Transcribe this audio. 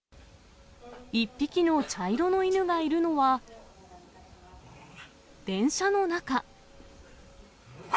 １匹の茶色の犬がいるのは、電車の中。